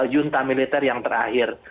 junta militer yang terakhir